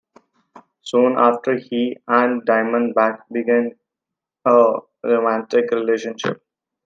Soon after, he and Diamondback begin a romantic relationship.